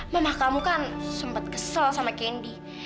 mama kamu kan sempat kesel sama kendi